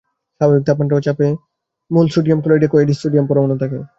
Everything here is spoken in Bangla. স্বাভাবিক তাপমাত্রা ও চাপে পাঁচ মোল সোডিয়াম ক্লোরাইডে কয়টি সোডিয়াম পরমাণু থাকে?